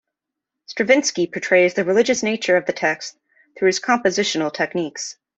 Stravinsky portrays the religious nature of the text through his compositional techniques.